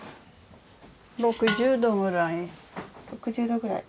６０度ぐらい。